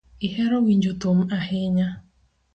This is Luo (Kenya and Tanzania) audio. Ihero winjo thum ahinya.